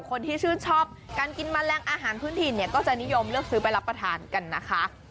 คนที่ชื่นชอบการกินแมลงอาหารพื้นถิ่นเนี่ยก็จะนิยมเลือกซื้อไปรับประทานกันนะคะ